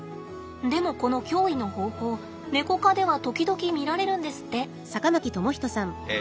でもこの驚異の方法ネコ科では時々見られるんですって！